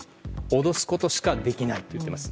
脅すことしかできないと言っています。